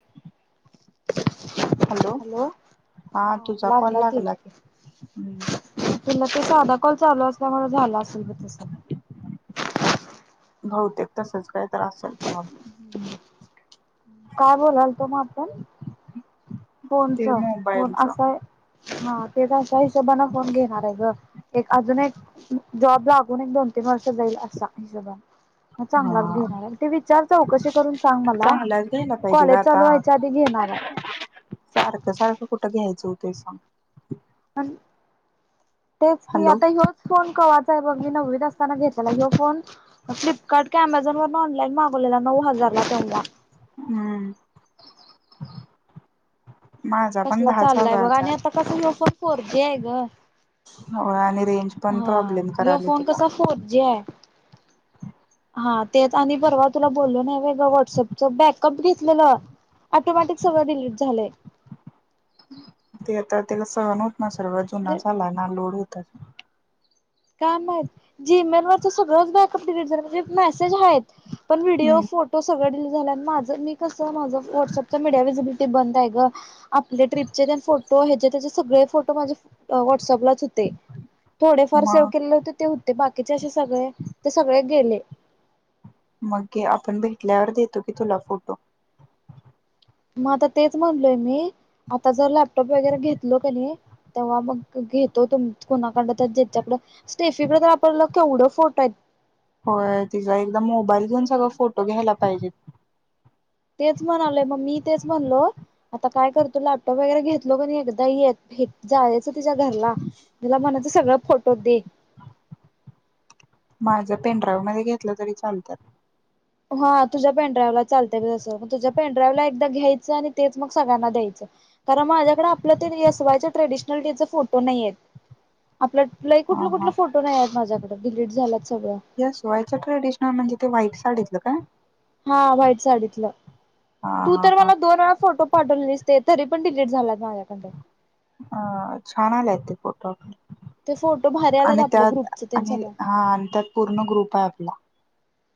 [inaudible] Hello हा तुझा call लागला की. हम्म तुला ते साधा कॉल चालू असल्यामुळे झाला असल बग तस. बहुतेक तसंच काही तर असेल प्रॉब्लेम. काय बोलालतो मग आपण? फोनच ते फोन मोबाईलच असा आहे, हा तेच अशा हिशोबाने फोन घेणार आहे गं. एक अजून एक जॉब लागून एक दोन तीन वर्ष जाईल असा हिशोबनं. हा चांगलाच घेणार आहे ते विचार चौकशी करून सांग मला. चांगलाच घ्यायला पाहिजे ग कॉलेज चालू आता व्हायच्या आधी घेणार आहे. सारखं सारखं कुठं घ्यायचं होतय सांग? तेच की हॅलो आता ह्योच फोन कवाचाय बघ मी नववीत असताना घेत लेला ह्यो फोन फ्लिपकार्ट काय अमेझॉन वरन ऑनलाइन मागवलेला नऊ हजार ला तेंव्हा. हम्म. माझा पण कसला दहाच चाललाय बघा हजाराचा आणि आहे आता कस ह्यो पण फोर जी हाय ग. हो आली रेंज पण प्रॉब्लेम हेय करायली तुला कसा फोन फोर जी आहे. हा तेच आणि परवा तुला बोललो नाही होय ग व्हॉटसअपच बॅकअप घेतलेला. ऑटोमॅटिक सर्व डिलीट झालेय. हम्म. तर तेला सहन होत नसल ग जुना म्हणजे झाला ना लोड होता. काय माहित जीमेल वरच सगळंच बॅकअप डिलीट झालं म्हणजे मेसेज आहेत. पण व्हिडिओ हम्म फोटो सगळे डीली माझं मी कस माझं व्हट्सअप मीडिया्हिजिबिलटी बंद आहे ग आपल्या ट्रिपचे तेन फोटो याचे त्याचे सगळेच फोटो व्हाट्सअप ला होते थोडेफार. फार सेव्ह मग केलेले होते ते होते बाकीचे असे सगळे ते सगळे गेले. मग घे आपण भेटल्यावर देतो की तुला फोटो. मग आता तेच म्हणलोय मी आता जर लॅपटॉप वगैरे घेतलो कनी तेव्हा मग घेतो तुम कुणाकड तर ज्याच्याकड स्टेफीकडे तर आपल्याला केवढं फोटो आहेत. होय तिचा एकदा मोबाईल घेऊन सगळं फोटो घ्यायला पाहिजेत. तेच म्हणालोय मग मी तेच म्हणलो. आता काय करतो लॅपटॉप वगैरे घेतलो कनी एकदा येत हे जायच तिच्या घरला तुला म्हणायचं सगळ फोटो दे. माझ पेनड्राईव्ह मध्ये घेतलं तरी चालत. हा तुझा पेन ड्राईव्ह ला चालतेय बग तस तुझ्या पेनड्राई्ह ला एकदा घ्यायचं आणि तेच मग सगळ्यांना द्यायचं. कारण माझ्याकडे आपलं ते येसवायच ट्रेडिशनल डे च फोटो नाही आहेत. आपल्याल लयी हा कुठलं हा कुठले फोटो नाही आहेत माझ्याकडें डिलीट झालात सगळं. एस वाय च ट्रेडिशनल म्हणजे ते व्हाईट साडीतलं काय? हा व्हाईट साडीतलं हा तू हा तर हा. मला दोन वेळा फोटो पाठवलेलीस ते तरी पण डिलीट झाला. अ छानलाते फोटो आपले. ते फोटो भारी आलात आणि आपलं त्यात ग्रुपच ते आणि सगळं हा आणि त्यात पूर्ण ग्रुप आहे आपला.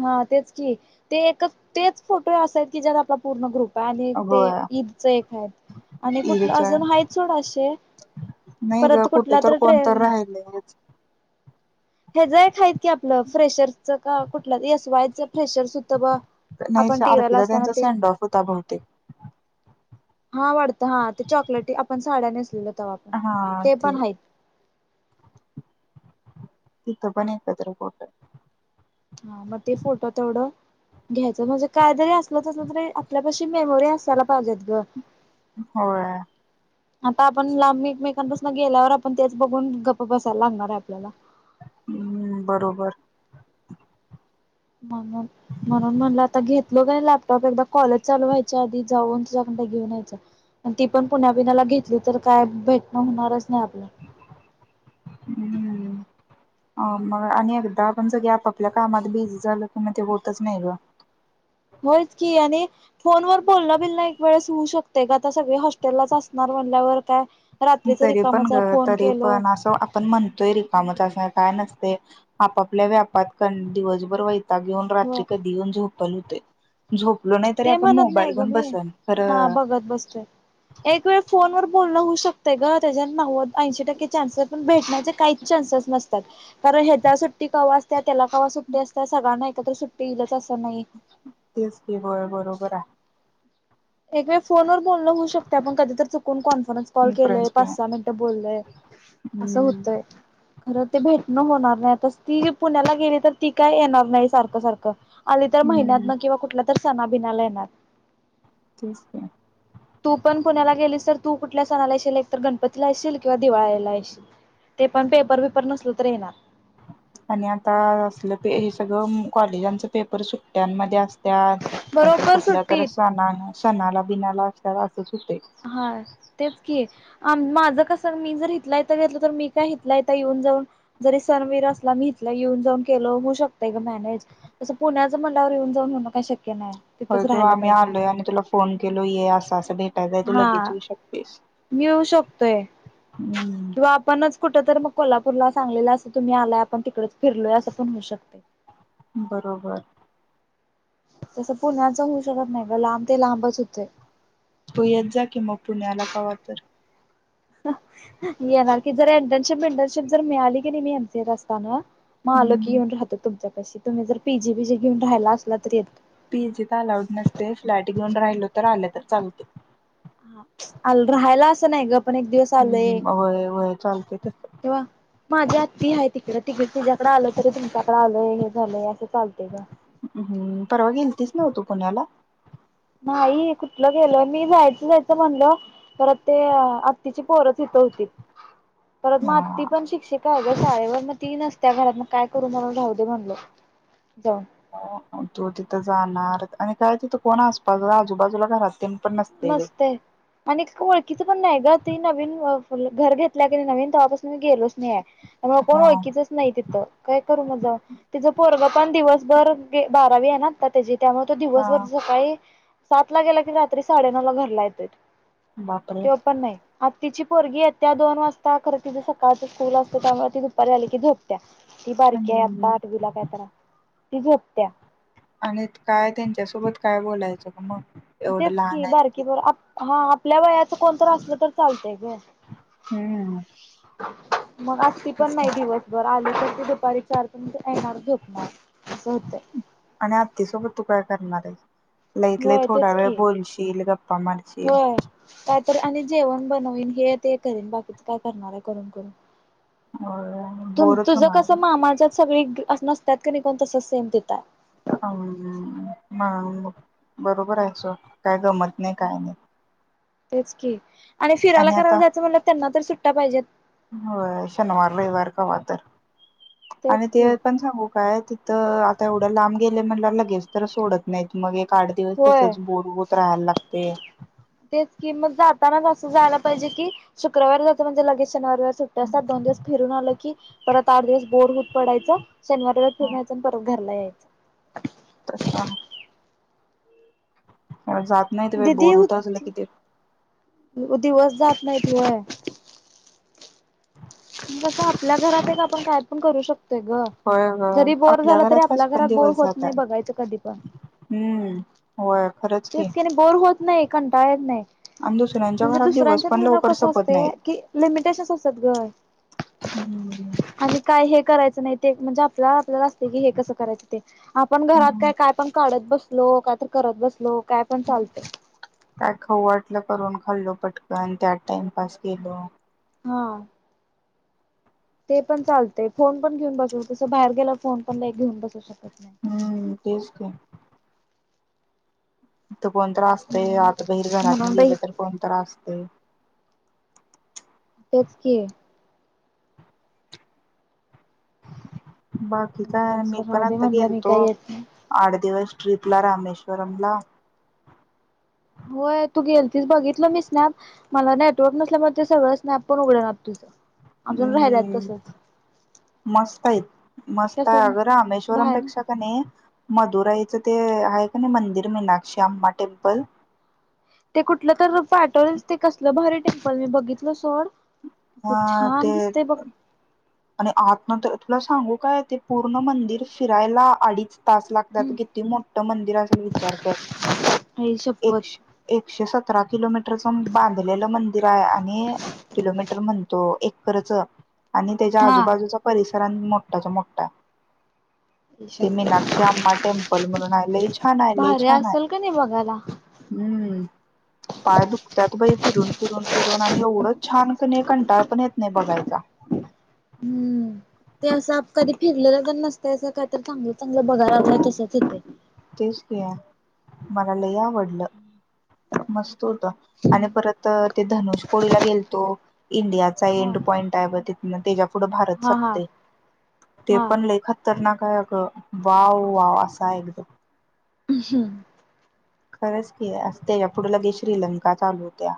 हा तेच की ते एकच तेच फोटो असाय आहेत की ज्यात आपला पूर्ण ग्रुप. आणि ते होय ईदच एक आहेत आणि कुठलं ईदचा अजून आहे सोड असे. नाही ग परत कुठे कुठला तर ट्रे कोणत राहिलच. हे जय खायत की आपलं फ्रेशरच का कुठलंसवायच फ्रेशरस सुद बा. नाही अर्पिता त्यांचा सँड ऑफ होता बहुतेक. हा वाटत हा ते चॉकलेटी आपण साड्या नेसलेल. तेव्हा पण ते पण आहेत. तिथे पण एकत्र होतो. हा मग ते फोटो तेवढं. घ्यायचं म्हणजे काय तरी असलं तसलं तरी आपल्यापशी मेमोरी असायला पाहिजेत ग. होय आता आपण लांब एकमेकांपासून गेल्यावर आपण तेच बघून गप्प बसायला लागणार आहे आपल्याला. हम्म बरोबर. म्हणून म्हणून म्हणलं आता घेतलो का लॅपटॉप एकदा कॉलेज चालू व्हायच्या आधी जाऊन ज. घेऊन यायचं ती पण पुण्याला घेतली तर काय भेटन होणार नाही आपलं. हम्म हम्म अ मग आणि एकदा आपण सगळे आपापल्या कामात बिझी झालं कि ते होतच नाही ग. होयच की आणि फोनवर बोलण बिलण एक वेळेस होऊ शकते का आता सगळे हॉस्टेललाच असणार. बोलल्यावर काय. रात्रीच तरी पण रिकामच आहे ग फोन तरी केलो पण असं आपण म्हणतोय रिकामतं. काय नसते आपापल्या व्यापात दिवसभर वैताग घेऊन रात्री कधी येऊन झोप. झोपलो नाही तरी ते आपण म्हणत नाही मोबाईल ग गून मी बसल ख. हा बघत बसतोय. एक वेळ फोन वर बोलला होई. चुकते ग त्याच्याने नव्वद ऐशी टक्के चान्सेस भेटण्याचे काहीच चान्सेस नसतात कारण हे जास् सुट्टी कवा असत्या, त्याला केव्हा सुट्टी असत्या सगळ्यांना एकत्र सुट्टी येईलच असं नाही. तेच की होय बरोबर आहे. एक वेळ फोनवर बोलन होऊ शकते. आपण कधी तर चुकून कॉन्फरन्स कॉल केलंय इन्फरन्स घे पाच-सहा मिनटं बोललय. असं हम्म होतय खरं ते भेटणं होत होणार नाही. नाहीस ती पुण्याला गेली तर ती काय येणार नाही सारखं-सारखं. आली तर महिन्यात हम्म न किंवा कुठला तर सणाबिनाला येणार. तेच की. तू पण पुण्याला गेलीस. तर तू कुठल्या सणाला येशील. एक तर गणपतीला असशील किंवा दिवाळीला येशील. ते पण पेपर. बीपर नसल तर येनार. आणि आता असलं प हे सगळं कॉलेजांच पेपर सुट्ट्यांमध्ये असत. त्या नाहीतर बरोबर कुठल्या तर सुट्टीत. सणा सणाला-बिनाला अस. हा तेच की माझ. कस मी जर हथला इथं घेतलं तर. मी काय हितल्या हित येऊन जाऊन जरी सन-बीन असला मी हथला येऊन जाऊन. केल्यावर होऊन जातय ग मॅनेज तस पुण्याच म्हनल्यावर येऊन जाऊन मग काय शक्य नाही होय तिथंच किंवा राहायला आम्ही पाहिजे. आलोय आणि तुला फोन केलो ये अस अस. हा मिळू शकतोय हम्म किंवा आपणच कुठ तर मग कोल्हापूरला सांगलीला अस तुम्ही आलाय आपण तिकडेच फिरलोय अस पण होऊ शकते. बरोबर. तसं पुण्याच होऊ शकत नाही ग. लांब ते लांबच होतय. तू येत जा की पुण्याला कवा तर मग. येणार की जर इंटर्नशिप-विंटर्नशिप जर मिळाली की नाही मी एनसीए असताना. मग आलो की हम्म येऊन राहतो तुमच्या पाशी तुम्ही जर पीजी बीजी घेऊन राहियला असला तर येतो. पीजी तर अलाउड नसते. फ्लॅट घेऊन राहिलो तर आलं तर चालत. राहायला असं नाही ग. पण एक दिवस आलोय हम्म होय होय चालते तस केव्हा. माझी आत्ती आहे तिकडें तिकडे. तुझ्याकडें आलोय तरी तुमच्याकडडे आलोय हे झालंय असं चालतय ग हम् परवा गेलतीस नव्ह तू पुण्याला. नाही कुठलं गेलं मी जायचं-जायचं म्हणल. परत ते आत्तीची पोरत तिथ होतीत. परत म आत्ती हा पण शिक्षिक. अगं शाळेवर मग ती नसत्या घरात. मग काय करून म्हणून राहू दे म्हणलो. जाऊन. हो तो तिथं जाणार आणि काय तिथं कोण आसपास आजूबाजूला घरात ते. मस्त आहे. आणि ओळखीच पण नाही ग त नवीन. घर घेतल्या कनी नवीन. तवा पासून मी गेलोच नाही आहे. त्यामुळे कोण हा ओळखीचं नाही तिथं काय करू मग. तर तिज पोरग पण दिवसभर ब बारावी आहे ना, आता त्याची त्यामुळे तो हा दिवसभर सकाळी सात ला गेला कि, रात्री साडेनऊ ला घरला येतोय. बापरे त्यो पण नाही आ तिची पोरगी येत्या दोन वाजता खरं, तिच सकाळचं स्कूल असतंय, त्यामुळ ती दुपारी आली की झोपत्या. ती बारकी हाय, हम्म आता आठवीला काय तर हाय, ती झोपत्या. आणि त काय त्यांच्यासोबत काय बोलायचं मग? एवढं तेच लहान की, आहेत बारकी ती बरोबर हा, आपल्या वयाचं कोण तर असलं तर, चालतंय ग. हम्म. मग आती पण तेच की नाही दिवसभर, आली तर ते दुपारी चार पर्यंत येणार झोपणार असं होतंय आणि आत्तीसोबत, तू काय करणार हाईस? होय तेच की, गप्पा मारशील होय काय तरी आणि जेवण ब नवीन, हे ते करीन बाकीच काय करणार आहे? करून करून होय. तुम तुझं कसं मामाच्यात सगळी नसत्यात कनि, तस सेम तिथ हाय. हा म मग बरोबर आहे सोड, म काय गमत नाही. नाही काय नाही? तेच की आणि फिरायला, करायला जायचं म्हणलं, त्यांना तर सुट्या पाहिजेत होय शनिवार, रविवार कवा तर आणि तेच ते की पण सांगू काय? तर आता एवढ्या लांब गेले म्हणल्या, लगेच तर सोडत नाहीत मग. काढदिवस होय. तसच बोड होत राहायला लागतय. अस जायला पाहिजे की शुक्रवार जायच म्हणजे लगेच शनवार रयवार सुट्ट्या असतात दोन दिवस फिरून आलं की परत आठ दिवस बोर होत पडायचा शनवार रयवार फिरून यायच आणि परत घरला यायचं. तसा जात नाही ते बई दिदी बोर होता अजुनला होती किती? दिवस जात नाहीत व्हय तस आपल्या घरात एक आपण काय पण करू शक ग होय ग, जरी बोर झालं तरी पाच आपल्या पण घरात बोर दिवस होत नाय जातात बघायचं कधी पण हम्म होय. तेच की आणि बोर होत नाय कंटांळा येत नाय आणि दुसऱ्यांच्या म्हणजे घरात दिवस दुसऱ्यांनंच्यात पण गेल्यावर लवकर कस संपत असते नाहीत. की लिमिटेशनस असतात ग. [unintelligible] करायच नाही ते म्हणजे आपल्या आपल्याला असय क हे कसं करायचं ते आपण घरात हम्म काय काय पण काढत बसं बसलो का तर करत बसलो काय पण चालतय. काय खाऊ वाटलं करून खाल्लो पटकन त्यात टाइमपास केलो. हा ते पण चालतय फोन पण घेऊन बसू तस बाहेर गेल्यावर फोन पण लय घेऊन बसू शकत नाय. हम्म तेच की कोण तरी असतय म्हणून आता बहिर घरातन म्हणून बाई गेलं तर कोण तरी असतय. तेच की, बाकी काय मी पण राहू दे आता म्हणलं मी गेलतो काय येत नाही आठ दिवस ट्रिपला रामेश्ववरमला होय तू गेलतीसं बघितलं मी स्नॅप मला नेटवर्क नसल्यामुळे ते सगळं स्नॅप पण उघडणात तुझं अजून राहिल्यात हम्म तसच मस्त आहेत मस्त आहे कसं अग बाहेर रामेश्वरमपेक्षा कनय म दुराईचं ते आहे का नाय मंदिर मीनाक्षी अम्मा टेम्पल ते कुठलं तर पाठवलेलसं ते कसलं भारी टेम्पल मी बघितल सोड असं हा छान ते दिसतय बघ आणि आतना तर तुला सांगू काय ते पूर्ण मंदिर फिरायला अडीच तास लागतात हम्म किती मोठं मंदिर असेल विचार कर आई शपथ एकशे एकशे सत सतरा किलोमीटरच बांधलेलं मंदिर आहे आणि किलोमीटर म्हणतो एकरच आणि त्याच्या हा आजूबाजूचा परिसर आणि मोठ्ठाच्या मोठ्ठा आई ते शपथ मीनाक्षी आंबा टेम्पल म्हणून हाय लय छान हाय लय भारी छान हाय असेल का नाही बघायला हम्म पाय दुखतात बई फिरून फिरून फि रून आणि एवढंच छान कनय कंटाळ पण येत नाय बघायचा. हम्म ते असं कधी फिरलेलं तर नसत असं काही तर चांगलं चांगलं बघाला असाय तसंचं येतंय तेच किया मला लय आवडलं. मस्त होत आणि परत ते धनुष कोळीला गेलतो इंडियाचा हा एंड पॉइंट आहे ब ति म त्याच्या पुुढं भारत हा हा सपतय ते हा पण लय खतरना हा का वाव वाव असाय एकदम - [unintelligible] खरंच की असते या पुढ लगे श्रीलंका चालू होत्या.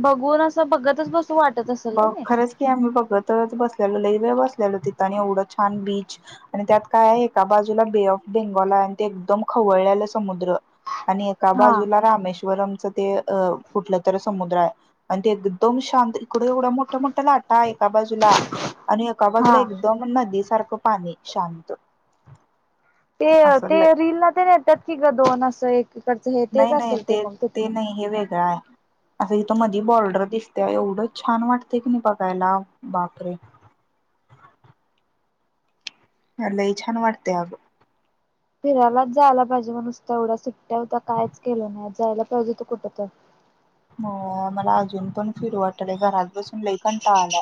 बघून असं बघतच बस ब खरंच की आम्ही बघत तेव्हा चं बसलेलो लय वेळ बसलेलो तिथं आणि एवढं छान बीच आणि त्यात काय आहे एका बाजूला बे ऑफ बेंगॉल आणि ते एकदम खवळलेलं समुद्र आणि एका हा बाजूला रामेश्वरमच ते अ कुठलं तर समुद्र आहे आणि ते एकदम शांत इकडं एवढं मोठ्या मोठ्या लाटा एका बाजूला आणि एका हा बाजूला एकदम नदी सारखं पाणी शांत. ते असं ते लय रील ना ते येतात की ग दोन असं एक तिकडचं हे तेच नाही नाही असेल, ते मग तिथलं. नाही हे वेगळं आहे असं इथ मधी बॉर्डर दिसत्या एवढी बघ छान वाटतय की नाही, बघायला बापरे! अ लई छान वाटतय आग. फिरायलाच जायला पाहिजे म नुसता एवढा सुट्ट्या होता कायच केलं नाही आ जायला पाहिजे होत कुठं तर, [inaudible] हो मला अजून पण फिरू वाटलय घरात बसून लय कंटाळा आला,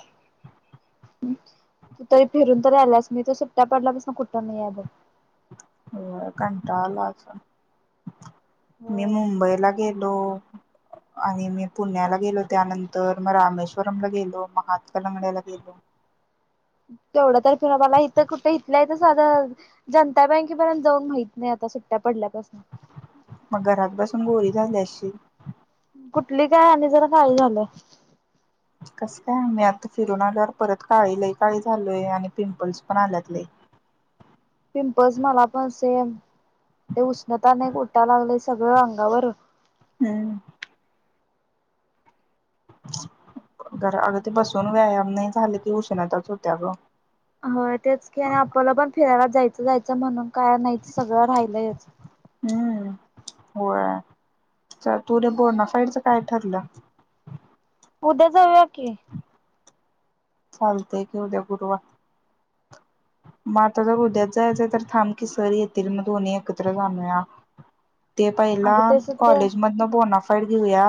[inaudible] [inaudible] तू तरी फिरून तरी आलास मी तो सुट्ट्या पडल्या बसून कुठ नाही आहे बघ [inaudible] हो कंटाळा आला [inaudible] मी मुंबईला गेलो, [inaudible] आणि मी पुण्याला गेलो त्यानंतर मग रामेश्वरमला गेलो महात कलंगडला गेलो [inaudible] [inaudible] [inaudible] तेवढ तरी फि मला इथं कुठे इथलं आहे तर साध जनता बँकेपर्यंत जाऊन माहित नाही आता सुट्ट्या पडल्यापासून, [inaudible] [unintelligible] झाल्या्याशी [inaudible] कुठली काय आणि जरा खाली आलोय, [inaudible] त्या आम् आता फिरून आल्यावर परत काळी लय काळी झालोय आणि पिंपल्स पण आल्यात लय, [inaudible] पिंपल्स मला पण सेम [inaudible] ते उष्णताने क उठटा लागले सगळं अंगावरन, [inaudible] हम [inaudible] [inaudible] घर अगदी बसून व्यायाम नाही झाले की उष्णताच होत्या अग [inaudible] हो तेच की आणि आपल्याला पण फिरायला जायचं जायचं म्हणून काय नाही सगळं राहिलंयच, हम्म [inaudible] होय, [inaudible] च तुरे बोनासाईडचं काय ठरलं, [inaudible] [inaudible] उद्या जाऊया की, [inaudible] चालते की उद्या गुरुवार [inaudible] माता जर उद्यात जायचं तर थांम कि सर येथील म दधोन्ही एकत्र जाणूया, [inaudible] ते पहिला अगं तेच ते कॉलेज मधन बोणा घेऊया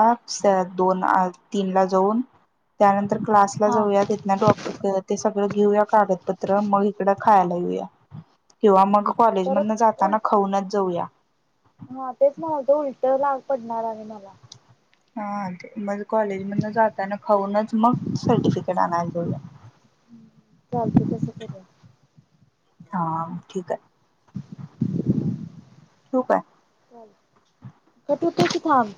दोन-तीन ला जाऊन त्यानंतर. क्लासला हा जाऊया तिथंन डॉ ते सगळं घेऊया कागदपत्र मग. तिकड खायला येऊया. किंवा मग कॉलेज परत मधन उल जाताना खाऊनच जाऊया. हा तेच म्हणालतो उलट लांब पडणार आहे मला. हा ते मग. कॉलेज मधन जाताना खाऊनच मग सर्टिफिकेट आणायला जाऊया. चालतय तसं करूया. हा ठीक आहे. ठेवू काय. कट होतोय की थांब.